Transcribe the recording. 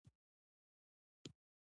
باران، باران وړانګې به وچیښمه